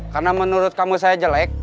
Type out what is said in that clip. karena menurut kamu saya jelek